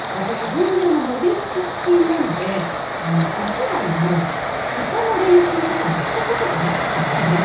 本当にモデル出身なのでお芝居も歌の練習とかもした事がなかったんですね。